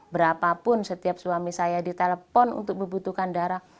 berapapun setiap suami saya ditelepon untuk membutuhkan darah